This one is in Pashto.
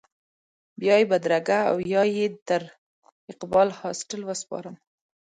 بیا یې بدرګه او یا یې تر اقبال هاسټل وسپارم.